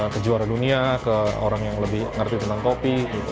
ke juara dunia ke orang yang lebih ngerti tentang kopi